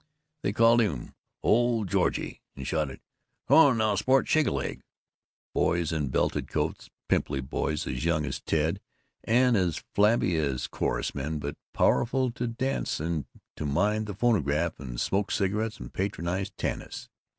They called him "Old Georgie" and shouted, "Come on now, sport; shake a leg" ... boys in belted coats, pimply boys, as young as Ted and as flabby as chorus men, but powerful to dance and to mind the phonograph and smoke cigarettes and patronize Tanis.